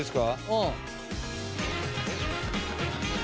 うん。